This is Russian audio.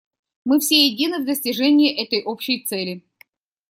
Мы все едины в достижении этой общей цели.